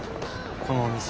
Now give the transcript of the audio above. このお店。